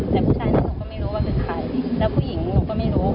แต่ผู้ชายที่หนูก็ไม่รู้ว่าเป็นใครแล้วผู้หญิงหนูก็ไม่รู้